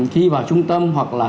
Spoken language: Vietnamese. khi vào trung tâm hoặc là